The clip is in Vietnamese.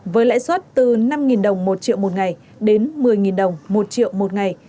với lãi suất từ năm đồng một triệu một ngày đến một mươi đồng một triệu một ngày